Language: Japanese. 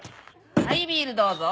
はいビールどうぞ。